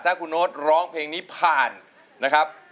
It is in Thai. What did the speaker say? ถ้าคุณโน๊ตร้องเพลงนี้ผ่านนะครับ